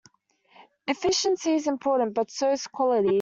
Efficiency is important, but so is quality.